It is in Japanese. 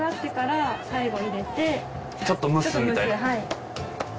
ちょっと蒸すみたいな。